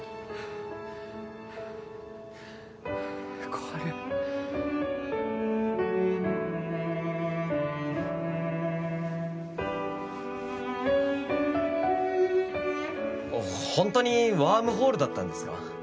小春ホントにワームホールだったんですか？